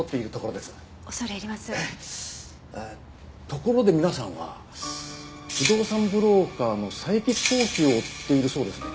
ところで皆さんは不動産ブローカーの佐伯弘輝を追っているそうですね。